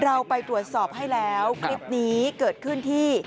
เราไปตรวจสอบให้แล้วคลิปนี้เกิดขึ้นที่